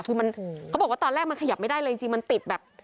คือมันเขาบอกว่าตอนแรกมันขยับไม่ได้เลยจริงมันติดแบบ